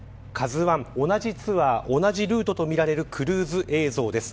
ＫＡＺＵ１、同じツアー同じルートとみられるクルーズ映像です。